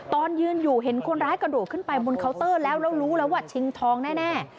ตอนยืนอยู่เห็นคนร้ายกระโดดขึ้นไปบนเคาน์เตอร์แล้วแล้วรู้แล้วว่าชิงทองแน่